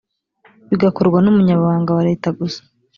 bigakorwa n umunyamabanga wa leta gusa